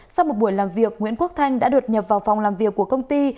sau một buổi làm việc nguyễn quốc thanh đã đột nhập vào phòng làm việc của công ty